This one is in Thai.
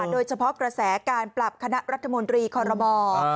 โดยเฉพาะกระแสการปรับคณะรัฐมนตรีคอรมอ